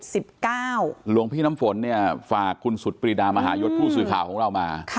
หลวงพี่น้ำฝนเนี่ยฝากคุณสุดปรีดามหายศผู้สื่อข่าวของเรามา